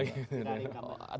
tidak ada incumbent